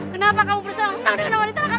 kenapa kamu bersalah menang dengan wanita akan ini pak